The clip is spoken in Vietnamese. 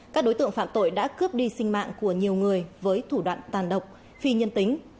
các đối tượng phạm tội đã cướp đi sinh mạng của nhiều người với thủ đoạn tàn độc phi nhân tính